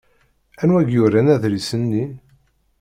Anwa i yuran adlis-nni?